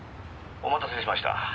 「お待たせしました」